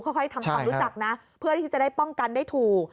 ค่อยทำความรู้จักนะเพื่อที่จะได้ป้องกันได้ถูก